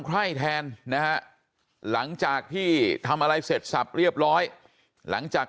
ใครแทนนะฮะหลังจากที่ทำอะไรเสร็จสับเรียบร้อยหลังจาก